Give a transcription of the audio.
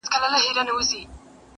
چي راټوپ كړله ميدان ته يو وگړي؛